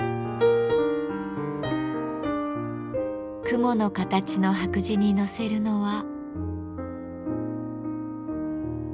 雲の形の白磁に載せるのは。